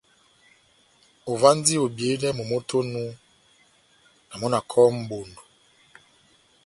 Ová ondi obiyedɛ momó tɛ́h onu, na mɔ́ na kɔ́hɔ́ mʼbondo.